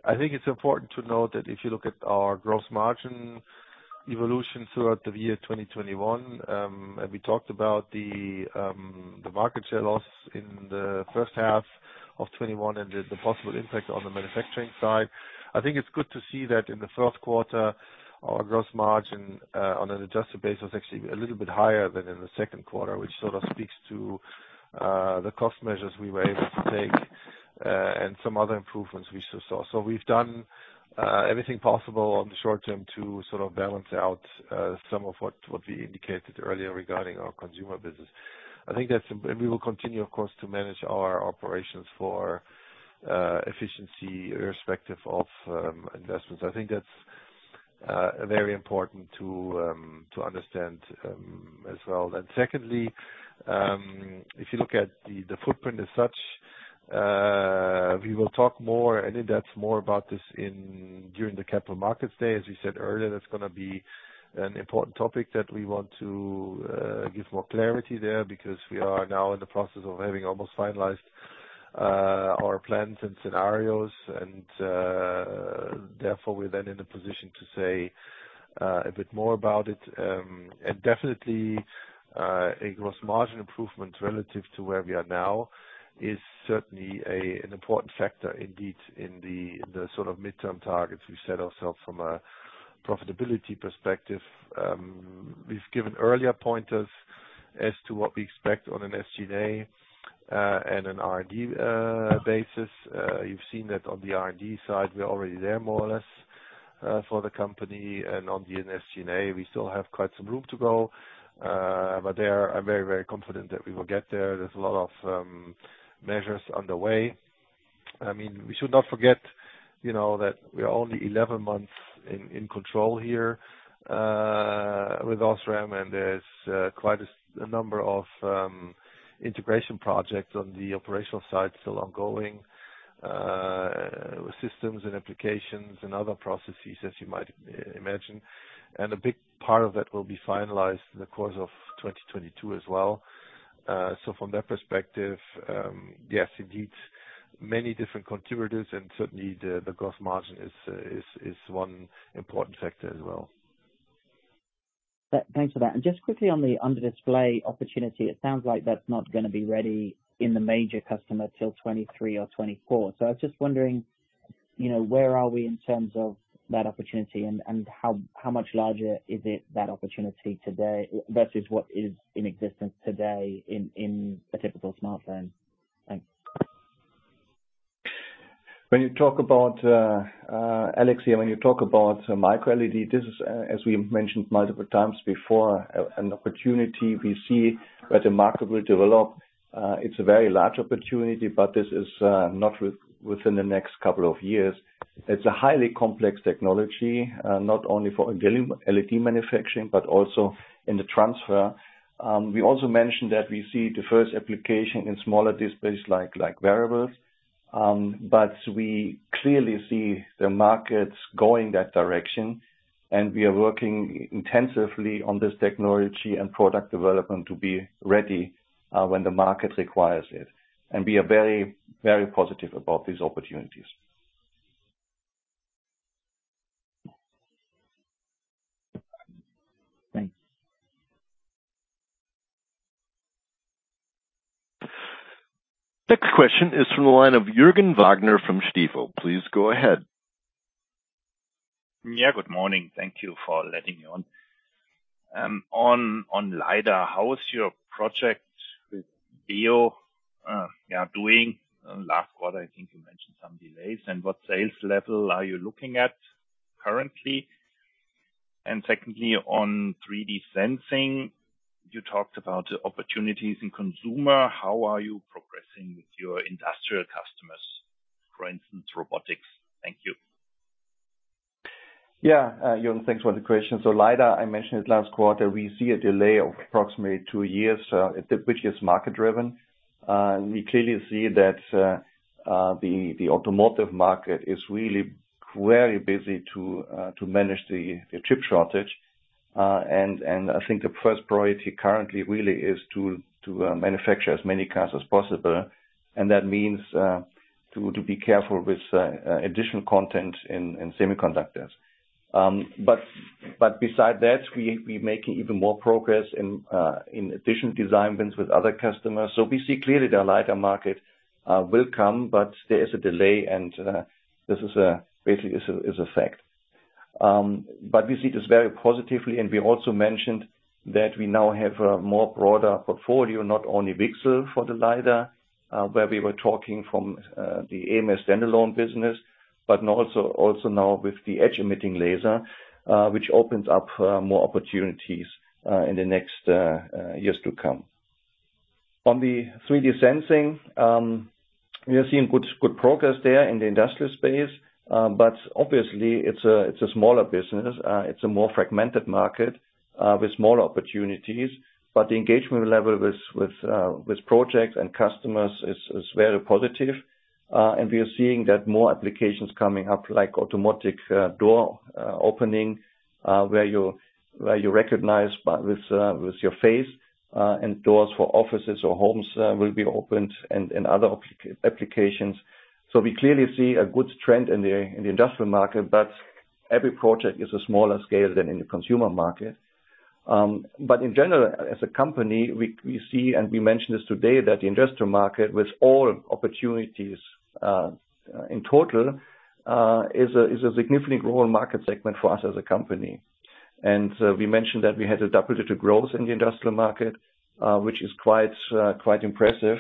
I think it's important to note that if you look at our gross margin evolution throughout the year 2021, and we talked about the market share loss in the first half of 2021 and the possible impact on the manufacturing side. I think it's good to see that in the first quarter, our gross margin, on an adjusted basis, was actually a little bit higher than in the second quarter, which sort of speaks to the cost measures we were able to take, and some other improvements we saw. We've done everything possible on the short term to sort of balance out some of what we indicated earlier regarding our consumer business. We will continue, of course, to manage our operations for efficiency irrespective of investments. I think that's very important to understand as well. Secondly, if you look at the footprint as such, we will talk more. I think that's more about this during the Capital Markets Day. As we said earlier, that's gonna be an important topic that we want to give more clarity there, because we are now in the process of having almost finalized our plans and scenarios. Therefore, we're then in a position to say a bit more about it. Definitely, a gross margin improvement relative to where we are now is certainly an important factor indeed in the sort of midterm targets we've set ourselves from a Profitability perspective. We've given earlier pointers as to what we expect on an SG&A and an R&D basis. You've seen that on the R&D side, we're already there more or less for the company. On the SG&A, we still have quite some room to go, but there I'm very, very confident that we will get there. There's a lot of measures underway. I mean, we should not forget, you know, that we are only 11 months in control here with OSRAM, and there's quite a number of integration projects on the operational side still ongoing with systems and applications and other processes, as you might imagine. A big part of that will be finalized in the course of 2022 as well. From that perspective, yes, indeed, many different contributors, and certainly the gross margin is one important factor as well. Thanks for that. Just quickly on the under display opportunity, it sounds like that's not gonna be ready in the major customer till 2023 or 2024. I was just wondering, you know, where are we in terms of that opportunity and how much larger is it, that opportunity today versus what is in existence today in a typical smartphone? Thanks. Alex, when you talk about microLED, this is as we mentioned multiple times before an opportunity we see where the market will develop. It's a very large opportunity, but this is not within the next couple of years. It's a highly complex technology, not only for microLED manufacturing, but also in the transfer. We also mentioned that we see the first application in smaller displays like wearables. We clearly see the markets going that direction, and we are working intensively on this technology and product development to be ready when the market requires it. We are very, very positive about these opportunities. Thanks. Next question is from the line of Juergen Wagner from Stifel. Please go ahead. Yeah, good morning. Thank you for letting me on. On LiDAR, how is your project with Ibeo doing? Last quarter, I think you mentioned some delays. What sales level are you looking at currently? Secondly, on 3D sensing, you talked about opportunities in consumer. How are you progressing with your industrial customers, for instance, robotics? Thank you. Yeah, Juergen, thanks for the question. LiDAR, I mentioned it last quarter, we see a delay of approximately two years, which is market-driven. We clearly see that the automotive market is really very busy to manage the chip shortage. I think the first priority currently really is to manufacture as many cars as possible, and that means to be careful with additional content in semiconductors. But besides that, we're making even more progress in addition design wins with other customers. We see clearly the LiDAR market will come, but there is a delay, and this is basically a fact. We see this very positively, and we also mentioned that we now have a more broader portfolio, not only VCSEL for the LiDAR, where we were talking from the AMS standalone business, but also now with the edge-emitting laser, which opens up more opportunities in the next years to come. On the 3D sensing, we are seeing good progress there in the industrial space, but obviously it's a smaller business. It's a more fragmented market with more opportunities. The engagement level with projects and customers is very positive. We are seeing that more applications coming up, like automatic door opening where you recognize with your face, and doors for offices or homes will be opened and other applications. We clearly see a good trend in the industrial market, but every project is a smaller scale than in the consumer market. In general, as a company, we see, and we mentioned this today, that the industrial market with all opportunities in total is a significant growth market segment for us as a company. We mentioned that we had a double-digit growth in the industrial market, which is quite impressive.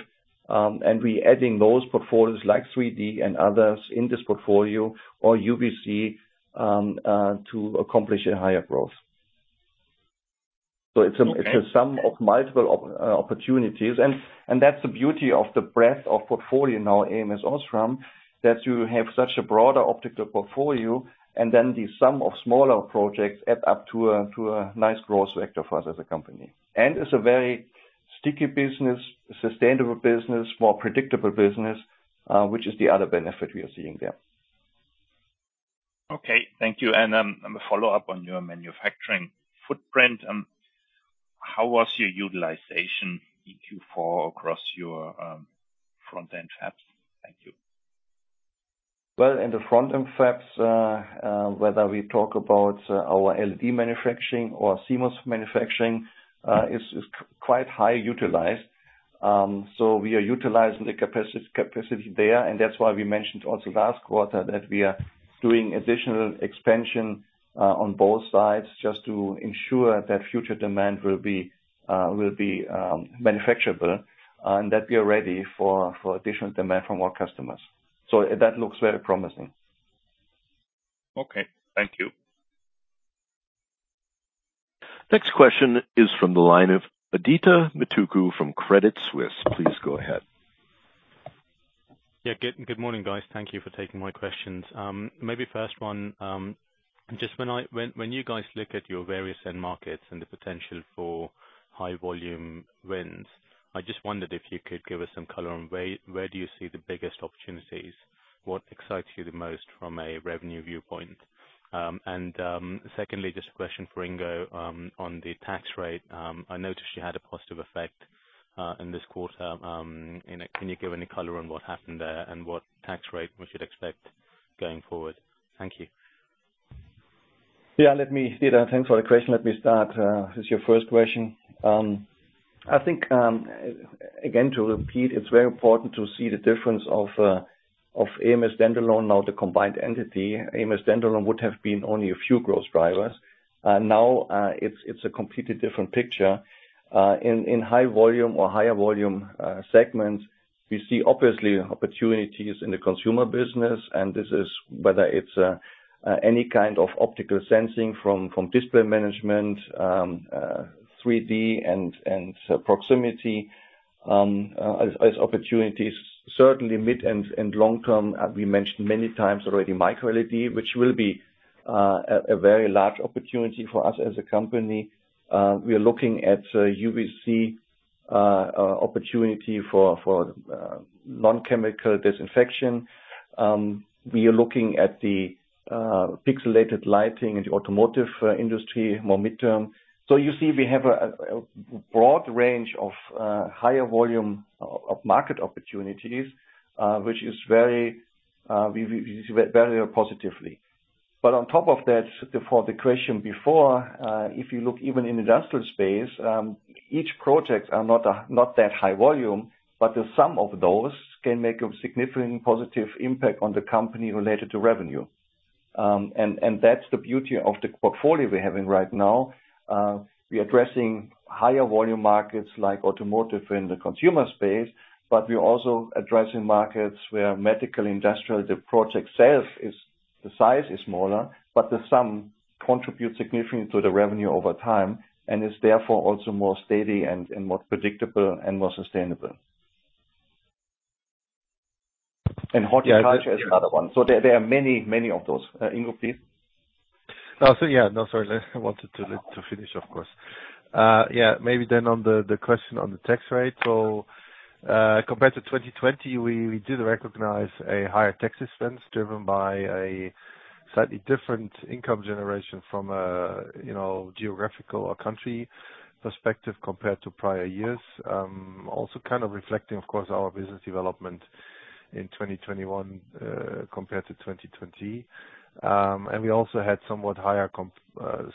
We're adding those portfolios like 3D and others in this portfolio or UVC to accomplish a higher growth. Okay. It's a sum of multiple opportunities. That's the beauty of the breadth of portfolio now ams OSRAM, that you have such a broader optical portfolio, and then the sum of smaller projects add up to a nice growth sector for us as a company. It's a very sticky business, sustainable business, more predictable business, which is the other benefit we are seeing there. Okay, thank you. I'm a follow-up on your manufacturing footprint. How was your utilization in Q4 across your front-end fabs? Thank you. Well, in the front-end fabs, whether we talk about our LED manufacturing or CMOS manufacturing, is quite high utilized. We are utilizing the capacity there, and that's why we mentioned also last quarter that we are doing additional expansion on both sides just to ensure that future demand will be manufacturable and that we are ready for additional demand from our customers. That looks very promising. Okay. Thank you. Next question is from the line of Adithya Metuku from Credit Suisse. Please go ahead. Yeah. Good morning, guys. Thank you for taking my questions. Maybe first one, just when you guys look at your various end markets and the potential for high volume wins, I just wondered if you could give us some color on where do you see the biggest opportunities? What excites you the most from a revenue viewpoint? Secondly, just a question for Ingo on the tax rate. I noticed you had a positive effect in this quarter. Can you give any color on what happened there and what tax rate we should expect going forward? Thank you. Adithya, thanks for the question. Let me start with your first question. I think, again, to repeat, it's very important to see the difference of ams standalone. Now, the combined entity, ams standalone would have been only a few growth drivers. Now, it's a completely different picture. In high volume or higher volume segments, we see obviously opportunities in the consumer business. This is whether it's any kind of optical sensing from display management, 3D and proximity, as opportunities certainly mid and long term. We mentioned many times already microLED, which will be a very large opportunity for us as a company. We are looking at UVC opportunity for non-chemical disinfection. We are looking at the pixelated lighting in the automotive industry, more midterm. You see, we have a broad range of higher volume of market opportunities, which we see very positively. On top of that, for the question before, if you look even in industrial space, each project are not that high volume, but the sum of those can make a significant positive impact on the company related to revenue. That's the beauty of the portfolio we're having right now. We're addressing higher volume markets like automotive in the consumer space, but we're also addressing markets where medical, industrial, the size is smaller, but the sum contributes significantly to the revenue over time and is therefore also more steady and more predictable and more sustainable. Horticulture is another one. There are many of those. Ingo, please. Yeah. No, sorry. I wanted to finish, of course. Yeah, maybe then on the question on the tax rate. Compared to 2020, we did recognize a higher tax expense driven by a slightly different income generation from a geographical or country perspective compared to prior years. Also kind of reflecting, of course, our business development in 2021 compared to 2020. We also had somewhat higher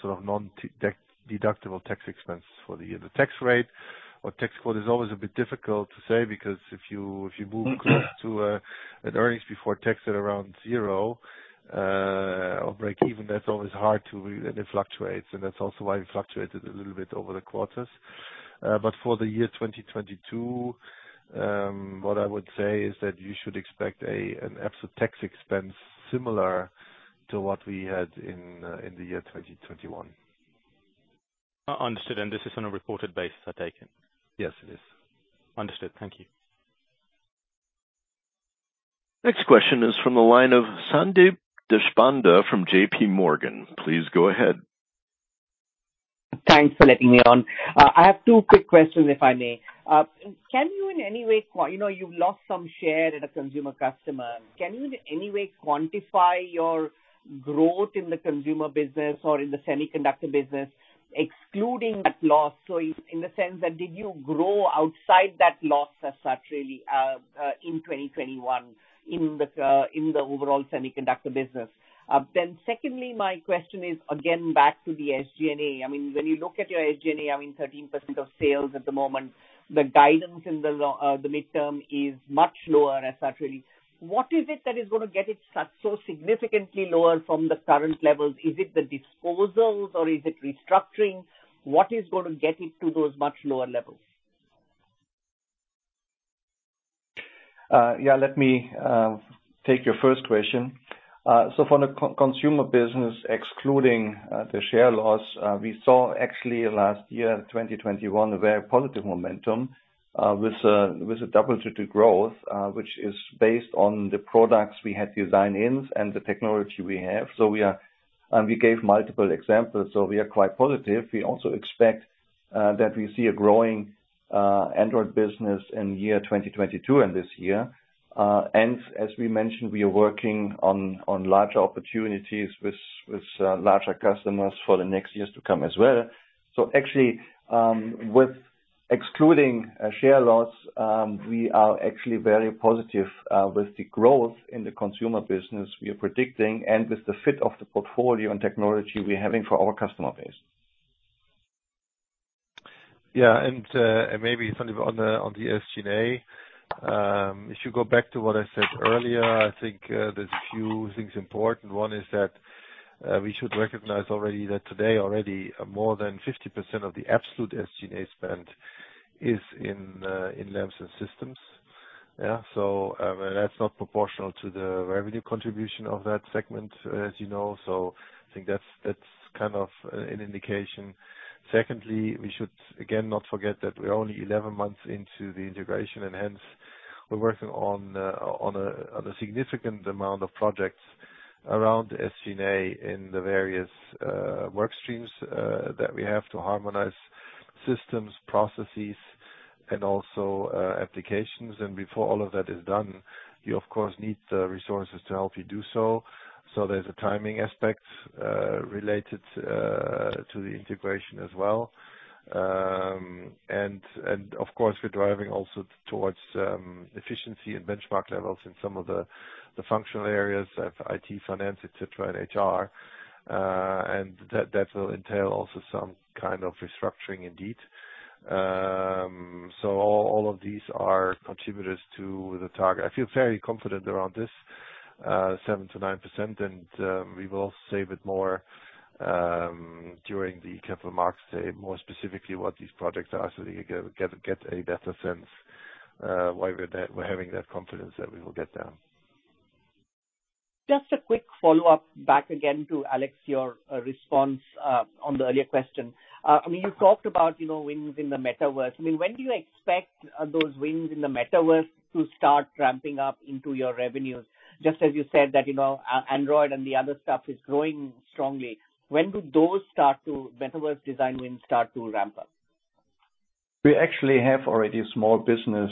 sort of non-deductible tax expense for the year. The tax rate or tax code is always a bit difficult to say, because if you move- Mm-hmm. Close to an earnings before tax at around zero or break even, that's always hard to read, and it fluctuates. That's also why it fluctuated a little bit over the quarters. But for the year 2022, what I would say is that you should expect an absolute tax expense similar to what we had in the year 2021. Understood. This is on a reported basis, I take it. Yes, it is. Understood. Thank you. Next question is from the line of Sandeep Deshpande from J.P. Morgan. Please go ahead. Thanks for letting me on. I have two quick questions, if I may. Can you in any way quantify your growth in the consumer business or in the semiconductor business excluding that loss? You know, you've lost some share in a consumer customer. In the sense that, did you grow outside that loss as such, really, in 2021 in the overall semiconductor business? Secondly, my question is again back to the SG&A. I mean, when you look at your SG&A, I mean 13% of sales at the moment, the guidance in the midterm is much lower as such, really. What is it that is gonna get it so significantly lower from the current levels? Is it the disposals or is it restructuring? What is gonna get it to those much lower levels? Yeah. Let me take your first question. For the consumer business, excluding the share loss, we saw actually last year, 2021, a very positive momentum with a double-digit growth, which is based on the products we had design-ins and the technology we have. We gave multiple examples. We are quite positive. We also expect that we see a growing Android business in year 2022 and this year. As we mentioned, we are working on larger opportunities with larger customers for the next years to come as well. Actually, with excluding share loss, we are actually very positive with the growth in the consumer business we are predicting and with the fit of the portfolio and technology we're having for our customer base. Maybe something on the SG&A. If you go back to what I said earlier, I think there's a few things important. One is that we should recognize already that today already more than 50% of the absolute SG&A spend is in Lamps and Systems. That's not proportional to the revenue contribution of that segment, as you know. I think that's kind of an indication. Secondly, we should again not forget that we're only 11 months into the integration, and hence we're working on a significant amount of projects around SG&A in the various work streams that we have to harmonize systems, processes and also applications. Before all of that is done, you of course need the resources to help you do so. There's a timing aspect related to the integration as well. Of course, we're driving also towards efficiency and benchmark levels in some of the functional areas of IT, finance, et cetera, and HR. That will entail also some kind of restructuring indeed. All of these are contributors to the target. I feel very confident around this 7%-9%. We will say a bit more during the Capital Markets Day, more specifically what these projects are so that you get a better sense why we're there. We're having that confidence that we will get there. Just a quick follow-up back again to Alex, your response on the earlier question. I mean, you talked about, you know, wins in the metaverse. I mean, when do you expect those wins in the metaverse to start ramping up into your revenues? Just as you said that, you know, Android and the other stuff is growing strongly. When do those metaverse design wins start to ramp up? We actually have already a small business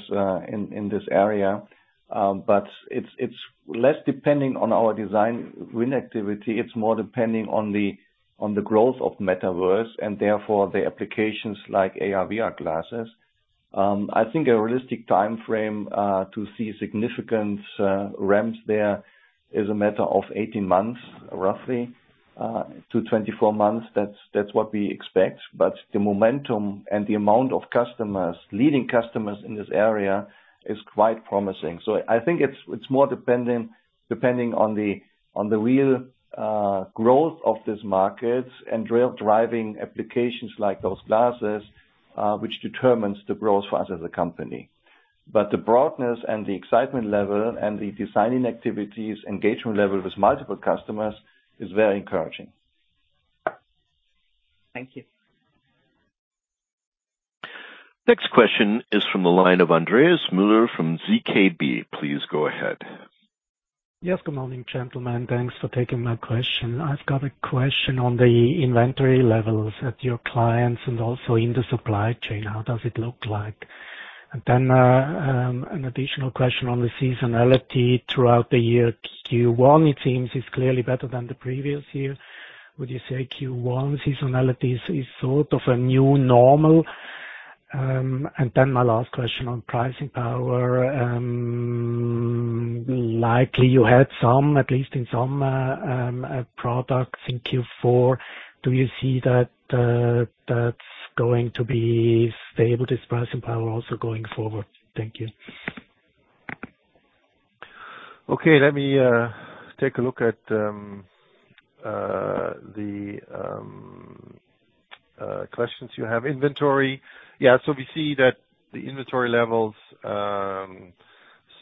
in this area. It's less depending on our design win activity. It's more depending on the growth of metaverse and therefore the applications like AR/VR glasses. I think a realistic timeframe to see significant ramps there is a matter of 18 months, roughly, to 24 months. That's what we expect. The momentum and the amount of customers, leading customers in this area is quite promising. I think it's more dependent on the real growth of this market and real driving applications like those glasses, which determines the growth for us as a company. The broadness and the excitement level and the designing activities, engagement level with multiple customers is very encouraging. Thank you. Next question is from the line of Andreas Müller from ZKB. Please go ahead. Yes. Good morning, gentlemen. Thanks for taking my question. I've got a question on the inventory levels at your clients and also in the supply chain. How does it look like? An additional question on the seasonality throughout the year. Q1, it seems, is clearly better than the previous year. Would you say Q1 seasonality is sort of a new normal? My last question on pricing power, likely you had some, at least in some products in Q4. Do you see that's going to be stable, this pricing power also going forward? Thank you. Okay. Let me take a look at the questions you have. Inventory. Yeah. We see that the inventory levels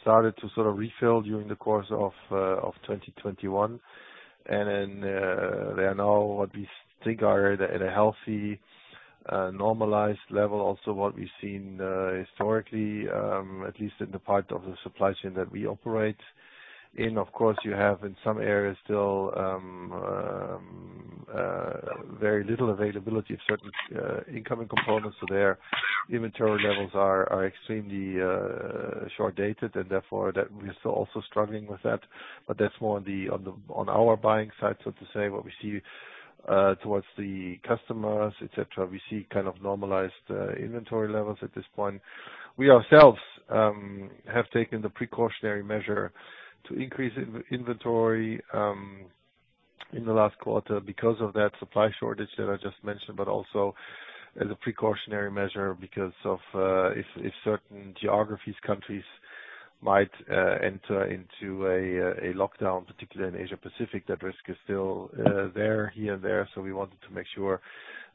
started to sort of refill during the course of 2021. Then they are now what we think are at a healthy normalized level, also what we've seen historically, at least in the part of the supply chain that we operate in. Of course, you have in some areas still very little availability of certain incoming components. Their inventory levels are extremely short-dated and therefore we're still also struggling with that. But that's more on our buying side, so to say. What we see towards the customers, et cetera, we see kind of normalized inventory levels at this point. We ourselves have taken the precautionary measure to increase inventory in the last quarter because of that supply shortage that I just mentioned, but also as a precautionary measure because of if certain geographies countries might enter into a lockdown, particularly in Asia Pacific, that risk is still here and there. We wanted to make sure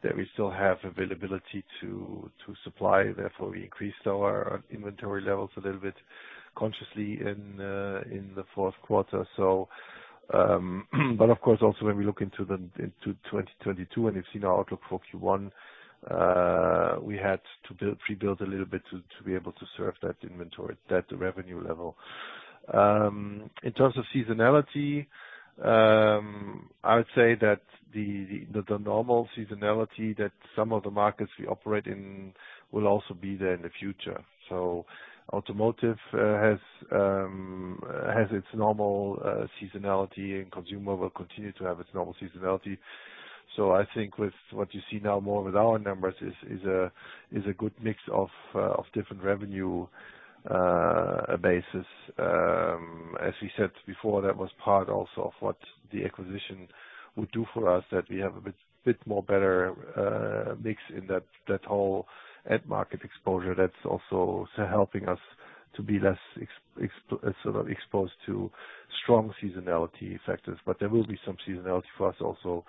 that we still have availability to supply, therefore, we increased our inventory levels a little bit consciously in the fourth quarter. But of course, also when we look into 2022 and you've seen our outlook for Q1, we had to pre-build a little bit to be able to serve that inventory, that revenue level. In terms of seasonality, I would say that the normal seasonality that some of the markets we operate in will also be there in the future. Automotive has its normal seasonality, and consumer will continue to have its normal seasonality. I think with what you see now more with our numbers is a good mix of different revenue bases. As we said before, that was part also of what the acquisition would do for us, that we have a bit more better mix in that whole end market exposure that's also helping us to be less exposed sort of to strong seasonality factors. There will be some seasonality for us also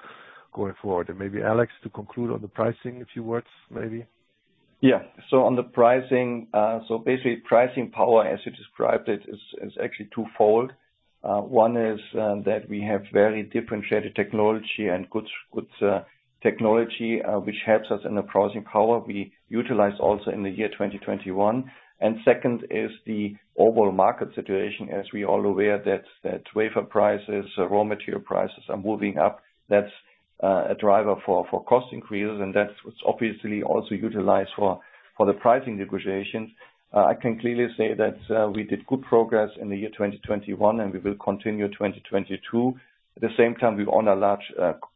going forward. Maybe Alex, to conclude on the pricing, a few words maybe. Yeah. On the pricing, basically pricing power as you described it is actually twofold. One is that we have very differentiated technology and good technology which helps us in the pricing power we utilized also in the year 2021. Second is the overall market situation. As we're all aware that wafer prices, raw material prices are moving up. That's a driver for cost increases, and that's what's obviously also utilized for the pricing negotiations. I can clearly say that we did good progress in the year 2021, and we will continue 2022. At the same time, we honor large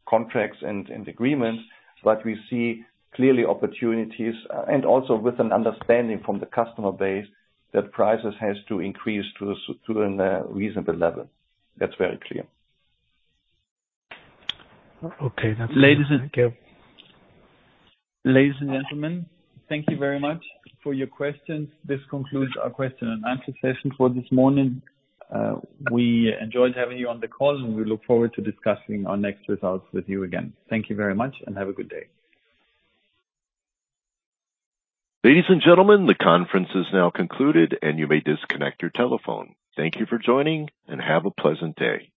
contracts and agreements, but we see clearly opportunities and also with an understanding from the customer base that prices has to increase to a reasonable level. That's very clear. Okay. That's it. Thank you. Ladies and gentlemen, thank you very much for your questions. This concludes our question and answer session for this morning. We enjoyed having you on the call, and we look forward to discussing our next results with you again. Thank you very much and have a good day. Ladies and gentlemen, the conference is now concluded, and you may disconnect your telephone. Thank you for joining and have a pleasant day.